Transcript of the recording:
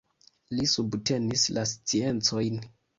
Li subtenis la sciencojn.